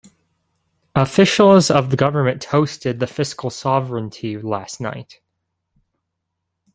Officials of the government toasted the fiscal sovereignty last night.